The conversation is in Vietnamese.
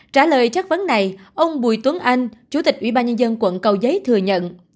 trả lời chất vấn này ông bùi tuấn anh chủ tịch ủy ban nhân dân quận cầu giấy thừa nhận